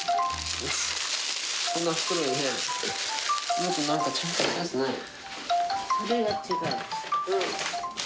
もっと何かちゃんとしたやつないの？